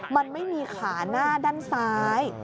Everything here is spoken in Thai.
มันไม่มีขาหน้าด้านซ้าย